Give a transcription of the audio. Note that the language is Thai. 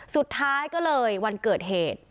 สุดท้ายก็เลยวันเกิดเหตุ